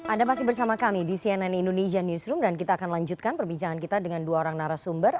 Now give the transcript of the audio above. anda masih bersama kami di cnn indonesia newsroom dan kita akan lanjutkan perbincangan kita dengan dua orang narasumber